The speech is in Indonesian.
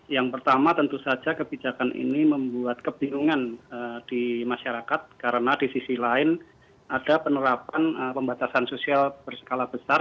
yang pertama tentu saja kebijakan ini membuat kebingungan di masyarakat karena di sisi lain ada penerapan pembatasan sosial berskala besar